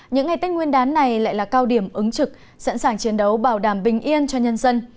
những ngày tết nguyên đán này lại là cao điểm ứng trực sẵn sàng chiến đấu bảo đảm bình yên cho nhân dân